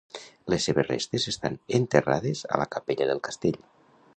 Les seves restes estan enterrades a la capella del castell.